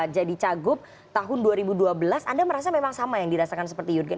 jadi cagup tahun dua ribu dua belas anda merasa memang sama yang dirasakan seperti jurgen